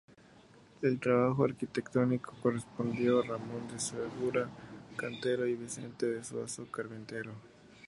El trabajo arquitectónico correspondió a Ramón de Segura, cantero, y Vicente de Zuazo, carpintero.